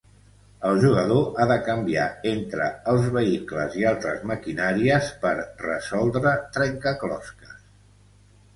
El jugador ha de canviar entre els vehicles i altres maquinàries per resoldre trencaclosques.